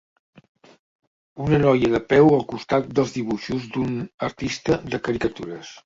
Una noia de peu al costat dels dibuixos d'un artista de caricatures.